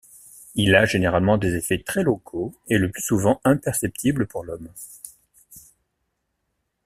Il a généralement des effets très locaux, et le plus souvent imperceptibles pour l'homme.